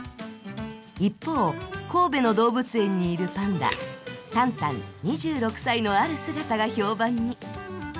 一方、神戸の動物園にいるパンダ、タンタン２６歳のある姿が評判に。